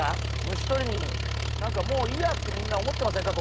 「虫とりに何かもういいや」ってみんな思ってませんか？